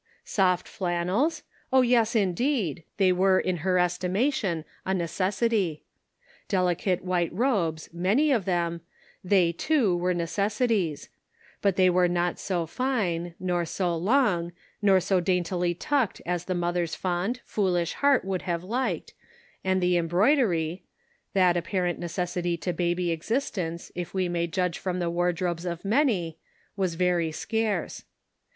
Soft flannels ? Oh, yes, indeed ! they were in her estimation a necessity. Delicate white robes, many of them — they, too, were neces sities ; but they were not so fine, nor so long, nor so daintily tucked as the mother's fond, foolish heart would have liked, and the em broidery — that apparent necessity to baby existence, if we may judge from the wardrobes of many — was very scarce.